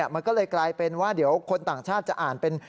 มันก็เลยกลายเป็นว่าเดี๋ยวคนต่างชาติจะอ่านเป็น